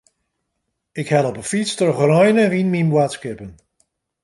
Ik helle op 'e fyts troch rein en wyn myn boadskippen.